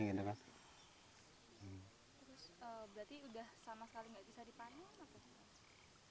terus berarti udah sama sekali gak bisa dipanen